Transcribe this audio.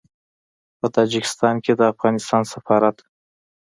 په تاجکستان کې د افغانستان سفارت